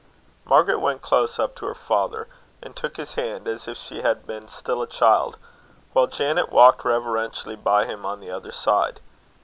Margaret went close up to her father and took his hand as if she had been still a child, while Janet walked reverentially by him on the other side.